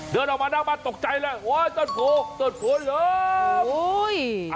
เดินออกมานั่งมาตกใจแล้วโอ้ยต้นโพต้นโพเริ่ม